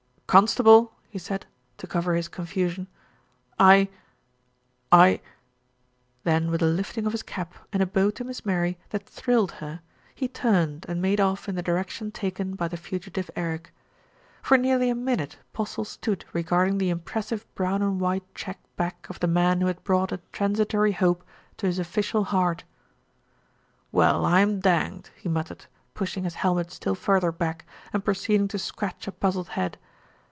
"Constable," he said, to cover his confusion. "I j I " then with a lifting of his cap and a bow to Miss Mary that thrilled her, he turned and made off in the direction taken by the fugitive Eric. For nearly a minute Postle stood regarding the im pressive brown and white check back of the man who had brought a transitory hope to his official heart. "Well, I'm danged !" he muttered, pushing his helmet still further back and proceeding to scratch a puzzled head.